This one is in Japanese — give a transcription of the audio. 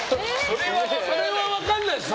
それは分からないでしょ